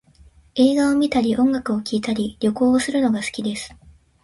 映画を観たり音楽を聴いたり、旅行をするのが好きです